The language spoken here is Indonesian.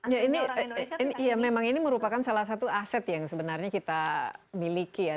ya ini memang ini merupakan salah satu aset yang sebenarnya kita miliki ya